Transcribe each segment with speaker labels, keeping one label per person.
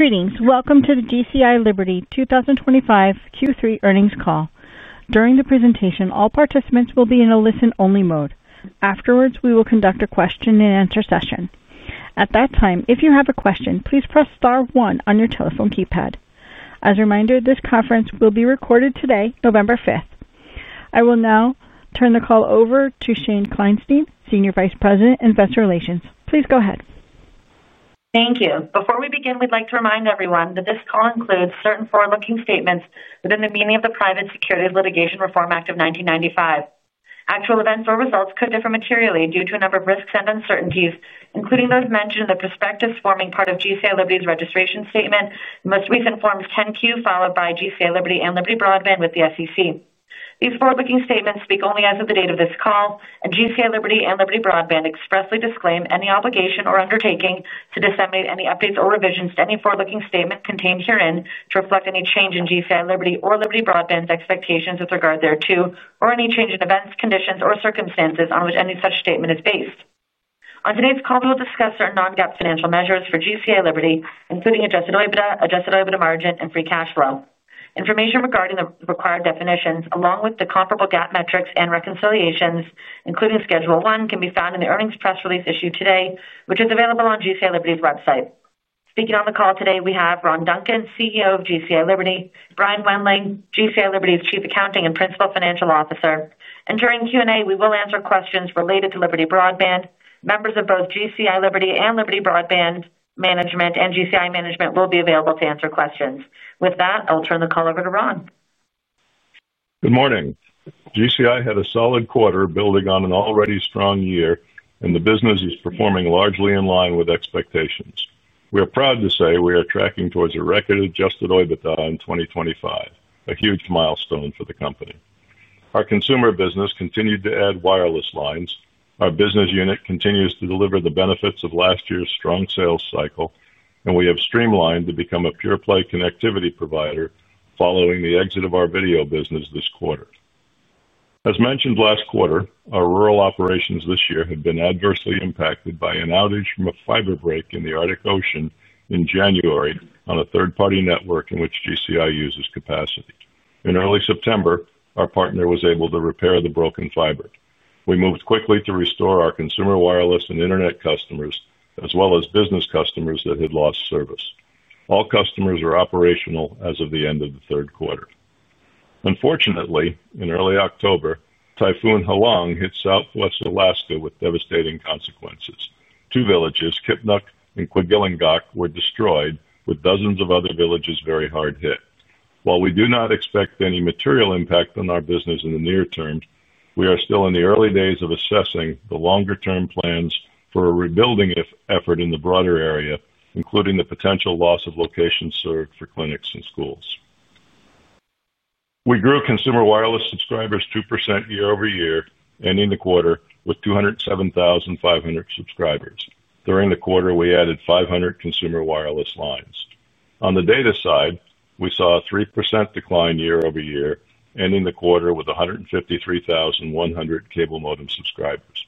Speaker 1: Greetings. Welcome to the GCI Liberty 2025 Q3 earnings call. During the presentation, all participants will be in a listen-only mode. Afterwards, we will conduct a question-and-answer session. At that time, if you have a question, please press star one on your telephone keypad. As a reminder, this conference will be recorded today, November 5th. I will now turn the call over to Shane Kleinstein, Senior Vice President, Investor Relations. Please go ahead.
Speaker 2: Thank you. Before we begin, we'd like to remind everyone that this call includes certain forward-looking statements within the meaning of the Private Securities Litigation Reform Act of 1995. Actual events or results could differ materially due to a number of risks and uncertainties, including those mentioned in the prospectus forming part of Liberty Broadband's registration statement, the most recent Forms 10-Q filed by GCI Liberty and Liberty Broadband with the SEC. These forward-looking statements speak only as of the date of this call, and GCI Liberty and Liberty Broadband expressly disclaim any obligation or undertaking to disseminate any updates or revisions to any forward-looking statement contained herein to reflect any change in GCI Liberty or Liberty Broadband's expectations with regard thereto, or any change in events, conditions, or circumstances on which any such statement is based. On today's call, we will discuss certain non-GAAP financial measures for GCI Liberty, including adjusted EBITDA, adjusted EBITDA margin, and free cash flow. Information regarding the required definitions, along with the comparable GAAP metrics and reconciliations, including schedule one, can be found in the earnings press release issued today, which is available on GCI Liberty's website. Speaking on the call today, we have Ron Duncan, CEO of GCI Liberty, Brian Wendling, GCI Liberty's Chief Accounting and Principal Financial Officer. During Q&A, we will answer questions related to Liberty Broadband. Members of both GCI Liberty and Liberty Broadband Management and GCI Management will be available to answer questions. With that, I'll turn the call over to Ron.
Speaker 3: Good morning. GCI had a solid quarter building on an already strong year, and the business is performing largely in line with expectations. We are proud to say we are tracking towards a record adjusted EBITDA in 2025, a huge milestone for the company. Our consumer business continued to add wireless lines. Our business unit continues to deliver the benefits of last year's strong sales cycle, and we have streamlined to become a pure-play connectivity provider following the exit of our video business this quarter. As mentioned last quarter, our rural operations this year have been adversely impacted by an outage from a fiber break in the Arctic Ocean in January on a third-party network in which GCI uses capacity. In early September, our partner was able to repair the broken fiber. We moved quickly to restore our consumer wireless and internet customers, as well as business customers that had lost service. All customers are operational as of the end of the third quarter. Unfortunately, in early October, Typhoon Halong hit southwest Alaska with devastating consequences. Two villages, Kipnuk and Kwigillingok, were destroyed, with dozens of other villages very hard hit. While we do not expect any material impact on our business in the near term, we are still in the early days of assessing the longer-term plans for a rebuilding effort in the broader area, including the potential loss of locations served for clinics and schools. We grew consumer wireless subscribers 2% year over year, ending the quarter with 207,500 subscribers. During the quarter, we added 500 consumer wireless lines. On the data side, we saw a 3% decline year over year, ending the quarter with 153,100 cable modem subscribers.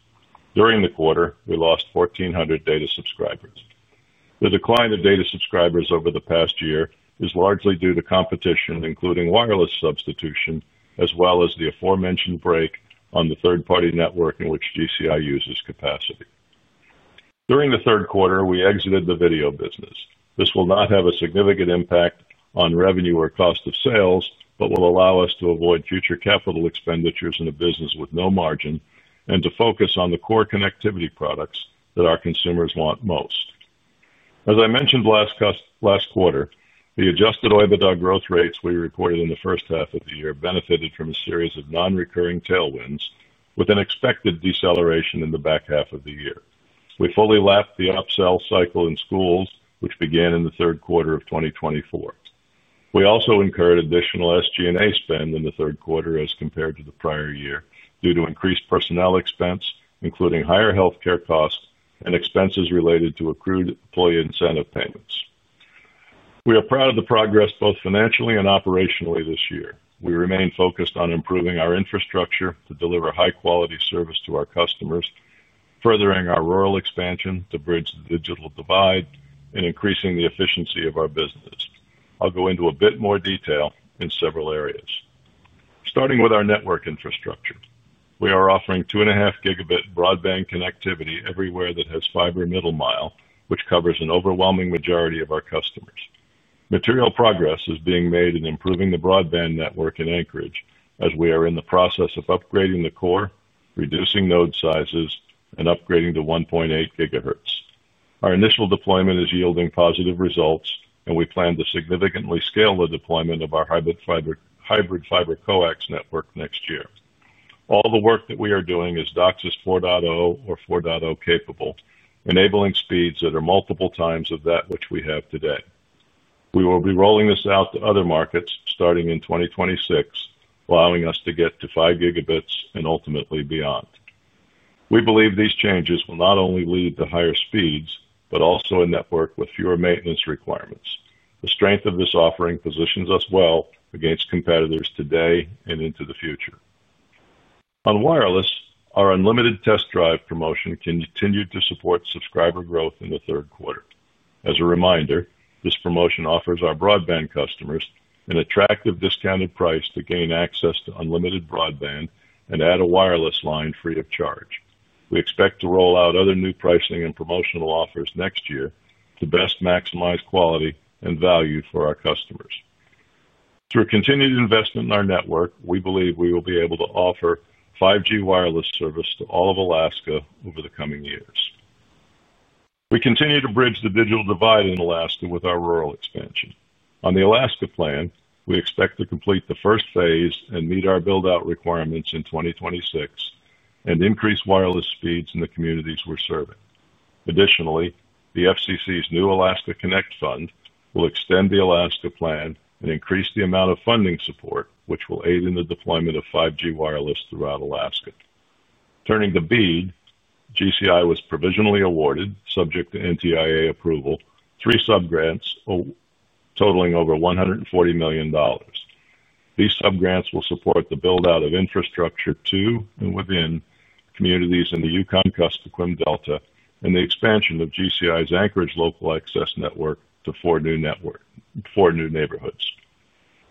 Speaker 3: During the quarter, we lost 1,400 data subscribers. The decline of data subscribers over the past year is largely due to competition, including wireless substitution, as well as the aforementioned break on the third-party network in which GCI uses capacity. During the third quarter, we exited the video business. This will not have a significant impact on revenue or cost of sales, but will allow us to avoid future capital expenditures in a business with no margin and to focus on the core connectivity products that our consumers want most. As I mentioned last quarter, the adjusted EBITDA growth rates we reported in the first half of the year benefited from a series of non-recurring tailwinds, with an expected deceleration in the back half of the year. We fully lapped the upsell cycle in schools, which began in the third quarter of 2024. We also incurred additional SG&A spend in the third quarter as compared to the prior year due to increased personnel expense, including higher healthcare costs and expenses related to accrued employee incentive payments. We are proud of the progress both financially and operationally this year. We remain focused on improving our infrastructure to deliver high-quality service to our customers, furthering our rural expansion to bridge the digital divide, and increasing the efficiency of our business. I'll go into a bit more detail in several areas. Starting with our network infrastructure, we are offering 2.5 Gb broadband connectivity everywhere that has fiber middle mile, which covers an overwhelming majority of our customers. Material progress is being made in improving the broadband network in Anchorage, as we are in the process of upgrading the core, reducing node sizes, and upgrading to 1.8 GHz. Our initial deployment is yielding positive results, and we plan to significantly scale the deployment of our hybrid fiber coax network next year. All the work that we are doing is DOCSIS 4.0 or 4.0 capable, enabling speeds that are multiple times of that which we have today. We will be rolling this out to other markets starting in 2026, allowing us to get to 5 Gb and ultimately beyond. We believe these changes will not only lead to higher speeds, but also a network with fewer maintenance requirements. The strength of this offering positions us well against competitors today and into the future. On wireless, our unlimited test drive promotion continued to support subscriber growth in the third quarter. As a reminder, this promotion offers our broadband customers an attractive discounted price to gain access to unlimited broadband and add a wireless line free of charge. We expect to roll out other new pricing and promotional offers next year to best maximize quality and value for our customers. Through continued investment in our network, we believe we will be able to offer 5G wireless service to all of Alaska over the coming years. We continue to bridge the digital divide in Alaska with our rural expansion. On the Alaska plan, we expect to complete the first phase and meet our build-out requirements in 2026 and increase wireless speeds in the communities we're serving. Additionally, the FCC's new Alaska Connect Fund will extend the Alaska plan and increase the amount of funding support, which will aid in the deployment of 5G wireless throughout Alaska. Turning to BEAD, GCI was provisionally awarded, subject to NTIA approval, three subgrants. Totaling over $140 million. These subgrants will support the build-out of infrastructure to and within communities in the Yukon-Kuskokwim Delta and the expansion of GCI's Anchorage local access network to four new neighborhoods.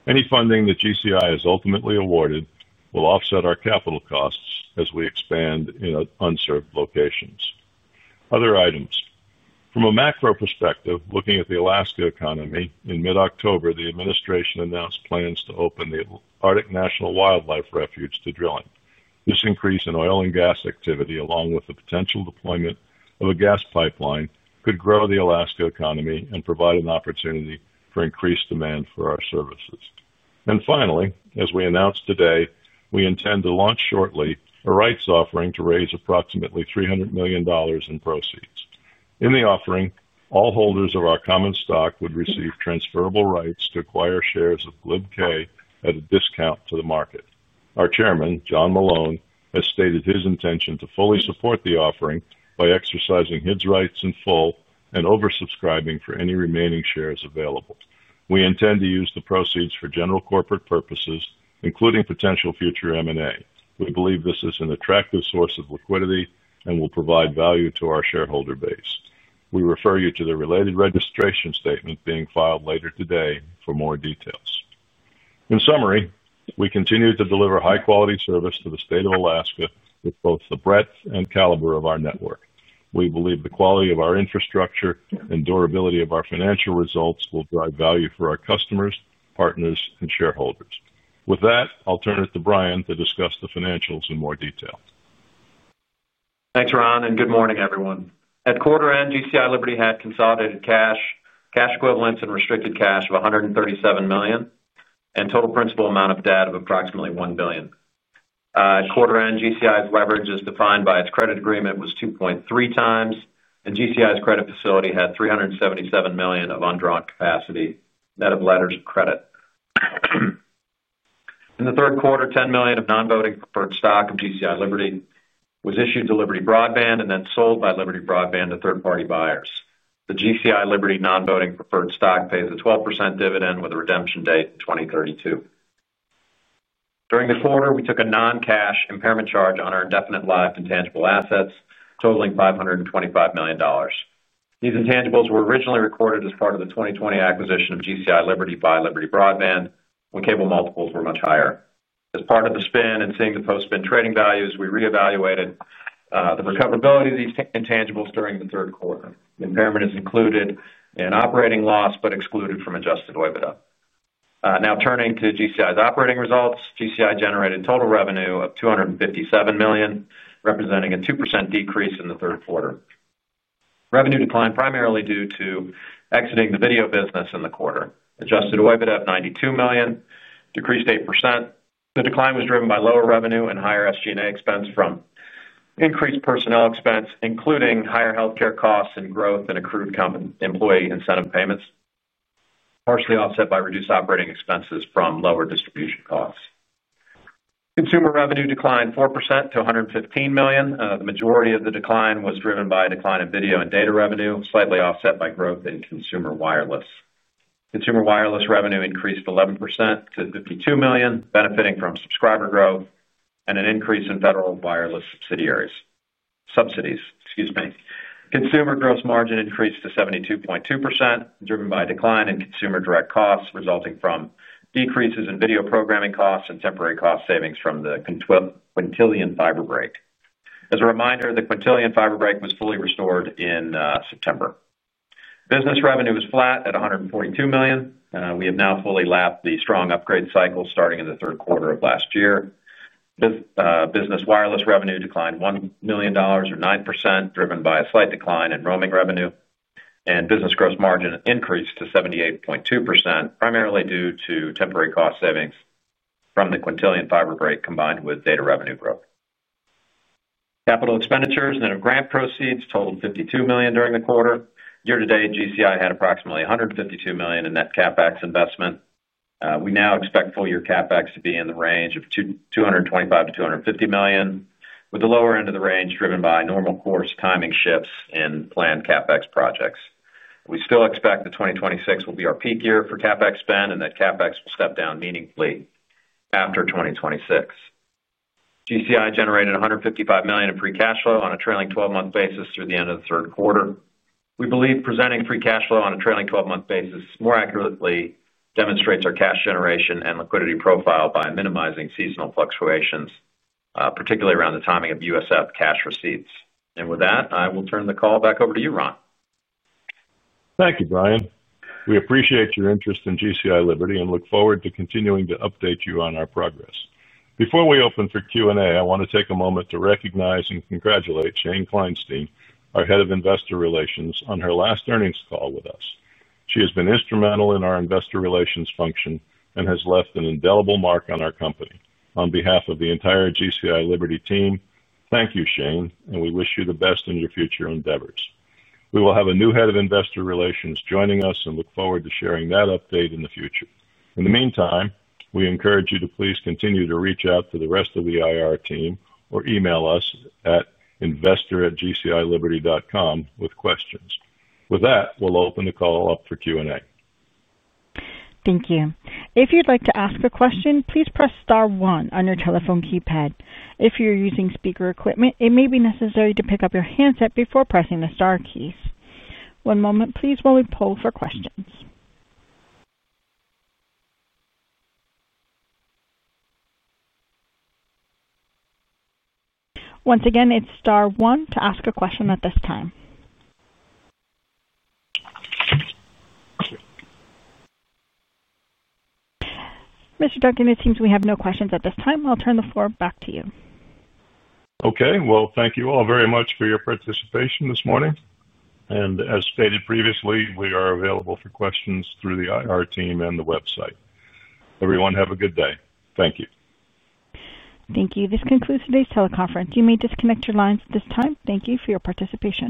Speaker 3: Any funding that GCI has ultimately awarded will offset our capital costs as we expand in unserved locations. Other items. From a macro perspective, looking at the Alaska economy, in mid-October, the administration announced plans to open the Arctic National Wildlife Refuge to drilling. This increase in oil and gas activity, along with the potential deployment of a gas pipeline, could grow the Alaska economy and provide an opportunity for increased demand for our services. And finally, as we announced today, we intend to launch shortly a rights offering to raise approximately $300 million in proceeds. In the offering, all holders of our common stock would receive transferable rights to acquire shares of GLIBK at a discount to the market. Our chairman, John Malone, has stated his intention to fully support the offering by exercising his rights in full and oversubscribing for any remaining shares available. We intend to use the proceeds for general corporate purposes, including potential future M&A. We believe this is an attractive source of liquidity and will provide value to our shareholder base. We refer you to the related registration statement being filed later today for more details. In summary, we continue to deliver high-quality service to the state of Alaska with both the breadth and caliber of our network. We believe the quality of our infrastructure and durability of our financial results will drive value for our customers, partners, and shareholders. With that, I'll turn it to Brian to discuss the financials in more detail.
Speaker 4: Thanks, Ron, and good morning, everyone. At quarter-end, GCI Liberty had consolidated cash, cash equivalents, and restricted cash of $137 million, and total principal amount of debt of approximately $1 billion. At quarter-end, GCI's leverage, as defined by its credit agreement, was 2.3x, and GCI's credit facility had $377 million of undrawn capacity, net of letters of credit. In the third quarter, $10 million of non-voting preferred stock of GCI Liberty was issued to Liberty Broadband and then sold by Liberty Broadband to third-party buyers. The GCI Liberty non-voting preferred stock pays a 12% dividend with a redemption date in 2032. During the quarter, we took a non-cash impairment charge on our indefinite live intangible assets, totaling $525 million. These intangibles were originally recorded as part of the 2020 acquisition of GCI Liberty by Liberty Broadband, when cable multiples were much higher. As part of the spin and seeing the post-spin trading values, we re-evaluated the recoverability of these intangibles during the third quarter. The impairment is included in operating loss but excluded from adjusted EBITDA. Now turning to GCI's operating results, GCI generated total revenue of $257 million, representing a 2% decrease in the third quarter. Revenue declined primarily due to exiting the video business in the quarter. Adjusted EBITDA of $92 million decreased 8%. The decline was driven by lower revenue and higher SG&A expense from increased personnel expense, including higher healthcare costs and growth in accrued employee incentive payments. Partially offset by reduced operating expenses from lower distribution costs. Consumer revenue declined 4% to $115 million. The majority of the decline was driven by a decline in video and data revenue, slightly offset by growth in consumer wireless. Consumer wireless revenue increased 11% to $52 million, benefiting from subscriber growth and an increase in federal wireless subsidiaries. Subsidies, excuse me. Consumer gross margin increased to 72.2%, driven by a decline in consumer direct costs resulting from decreases in video programming costs and temporary cost savings from the Quintillion fiber break. As a reminder, the Quintillion fiber break was fully restored in September. Business revenue was flat at $142 million. We have now fully lapped the strong upgrade cycle starting in the third quarter of last year. Business wireless revenue declined $1 million or 9%, driven by a slight decline in roaming revenue, and business gross margin increased to 78.2%, primarily due to temporary cost savings from the Quintillion fiber break combined with data revenue growth. Capital expenditures and grant proceeds totaled $52 million during the quarter. Year-to-date, GCI had approximately $152 million in Net CapEx Investment. We now expect full-year CapEx to be in the range of $225 million-$250 million, with the lower end of the range driven by normal course timing shifts in planned CapEx projects. We still expect that 2026 will be our peak year for CapEx spend and that CapEx will step down meaningfully after 2026. GCI generated $155 million in free cash flow on a trailing 12-month basis through the end of the third quarter. We believe presenting free cash flow on a trailing 12-month basis more accurately demonstrates our cash generation and liquidity profile by minimizing seasonal fluctuations, particularly around the timing of USF cash receipts. And with that, I will turn the call back over to you, Ron.
Speaker 3: Thank you, Brian. We appreciate your interest in GCI Liberty and look forward to continuing to update you on our progress. Before we open for Q&A, I want to take a moment to recognize and congratulate Shane Kleinstein, our head of investor relations, on her last earnings call with us. She has been instrumental in our investor relations function and has left an indelible mark on our company. On behalf of the entire GCI Liberty team, thank you, Shane, and we wish you the best in your future endeavors. We will have a new head of investor relations joining us and look forward to sharing that update in the future. In the meantime, we encourage you to please continue to reach out to the rest of the IR team or email us at investor@gciliberty.com with questions. With that, we'll open the call up for Q&A.
Speaker 1: Thank you. If you'd like to ask a question, please press star one on your telephone keypad. If you're using speaker equipment, it may be necessary to pick up your handset before pressing the star keys. One moment, please, while we poll for questions. Once again, it's star one to ask a question at this time. Mr. Duncan, it seems we have no questions at this time. I'll turn the floor back to you.
Speaker 3: Okay. Well, thank you all very much for your participation this morning. And as stated previously, we are available for questions through the IR team and the website. Everyone, have a good day. Thank you.
Speaker 1: Thank you. This concludes today's teleconference. You may disconnect your lines at this time. Thank you for your participation.